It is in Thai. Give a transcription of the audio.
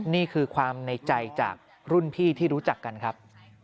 นี่คือความในใจจากรุ่นพี่ที่รู้จักกันครับ